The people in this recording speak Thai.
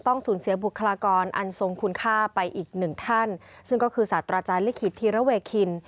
สูญเสียบุคลากรอันทรงคุณค่าไปอีกหนึ่งท่านซึ่งก็คือศาสตราจารย์ลิขิตธีระเวคิน